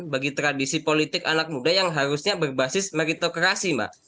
bagi tradisi politik anak muda yang harusnya berbasis meritokrasi mbak